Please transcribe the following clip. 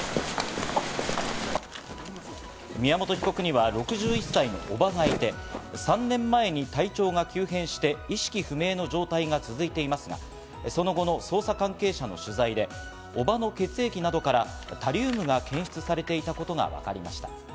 宮本被告には６１歳の叔母がいて、３年前に体調が急変して意識不明の状態が続いていますが、その後の捜査関係者の取材で、叔母の血液などからタリウムが検出されていたことがわかりました。